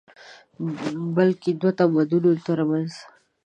بلکې دوو تمدنونو تر منځ